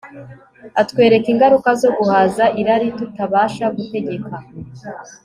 Atwereka ingaruka zo guhaza irari tutabasha gutegeka